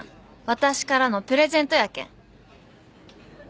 「私からのプレゼントやけん」